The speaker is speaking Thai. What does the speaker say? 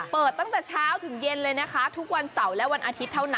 เปิดตั้งแต่เช้าถึงเย็นเลยนะคะทุกวันเสาร์และวันอาทิตย์เท่านั้น